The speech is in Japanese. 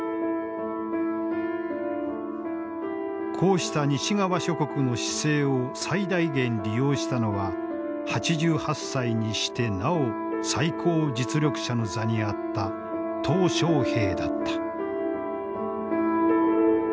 こうした西側諸国の姿勢を最大限利用したのは８８歳にしてなお最高実力者の座にあった小平だった。